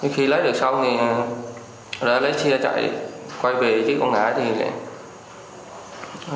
khi lấy được xong thì ra lấy xe chạy quay về chứ còn ngã thì lại